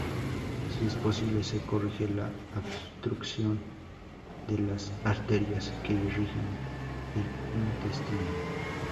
Si es posible, se corrige la obstrucción de las arterias que irrigan el intestino.